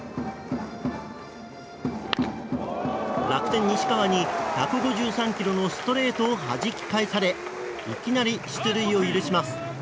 楽天、西川に１５３キロのストレートをはじき返されいきなり出塁を許します。